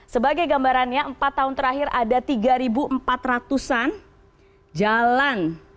sebagai gambarannya empat tahun terakhir ada tiga empat ratus an jalan